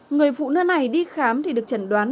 người phụ nữ này đi khám thì được chẩn đoán